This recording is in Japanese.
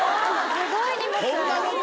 すごい荷物。